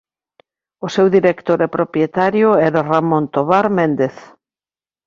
O seu director e propietario era Ramón Tovar Méndez.